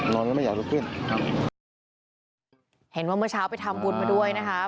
นอนแล้วไม่อยากกดขึ้นครับเห็นว่าเมื่อเช้าไปทำกุญมาด้วยนะครับ